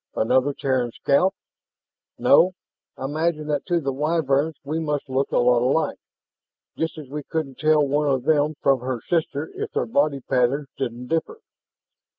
"Another Terran scout?" "No. I imagine that to the Wyverns we must look a lot alike. Just as we couldn't tell one of them from her sister if their body patterns didn't differ.